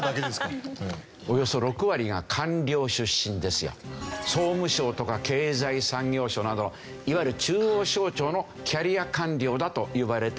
およそ６割が総務省とか経済産業省などのいわゆる中央省庁のキャリア官僚だといわれていた人たち。